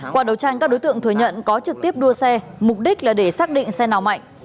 qua đấu tranh các đối tượng thừa nhận có trực tiếp đua xe mục đích là để xác định xe nào mạnh